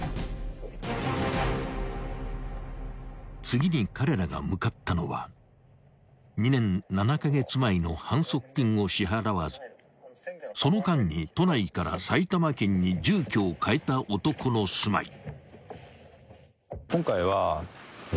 ［次に彼らが向かったのは２年７カ月前の反則金を支払わずその間に都内から埼玉県に住居を変えた男の住まい］